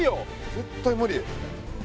絶対無理。